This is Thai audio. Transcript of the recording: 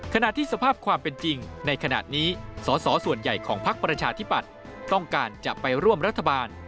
ขณะที่สภาพความเป็นจริงในขณะนี้สอสอส่วนใหญ่ของพักประชาธิปัตย์ต้องการจะไปร่วมรัฐบาล